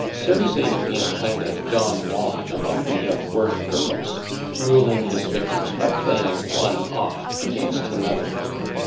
Cerizet had been a kind of Don Juan among the young work girls, ruling his victims by playing one off against another.